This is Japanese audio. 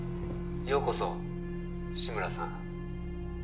ようこそ志村さん